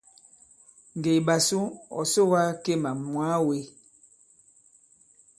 Ŋgè i ɓasu ɔ̀ soga Kemà mwàa wē.